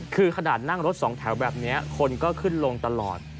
คือขนาดนั่งรถสองแถวแบบนี้คนก็ขึ้นลงตลอด